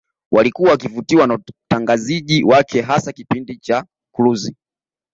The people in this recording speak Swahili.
Walikuwa wakivutiwa na utangaziji wake hasa katika kipindi cha kruzi